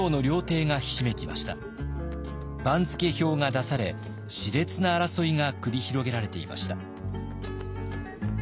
番付表が出されしれつな争いが繰り広げられていました。